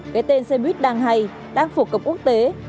cái tên xe bít đang hay đang phục cập quốc tế